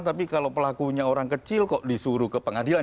tapi kalau pelakunya orang kecil kok disuruh ke pengadilan